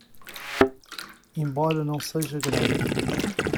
Embora não seja grato